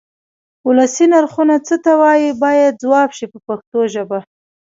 ولسي نرخونه څه ته وایي باید ځواب شي په پښتو ژبه.